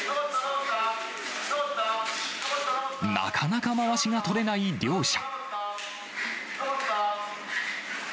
なかなかまわしが取れない両者。